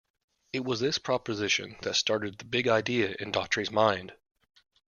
It was this proposition that started the big idea in Daughtry's mind.